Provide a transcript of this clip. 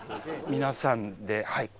皆さんではい。